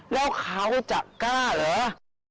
แล้วเขาจะกล้าเหรอ